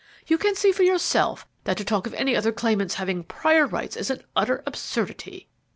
You can see for yourself that to talk of any other claimants having prior rights is an utter absurdity."